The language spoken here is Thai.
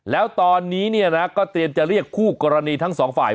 แล้วตอนนี้เนี่ยนะก็เตรียมจะเรียกคู่กรณีทั้งสองฝ่าย